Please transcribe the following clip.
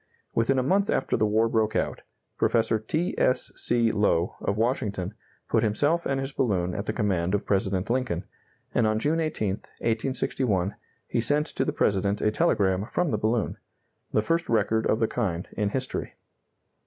Within a month after the war broke out, Professor T. S. C. Lowe, of Washington, put himself and his balloon at the command of President Lincoln, and on June 18, 1861, he sent to the President a telegram from the balloon the first record of the kind in history.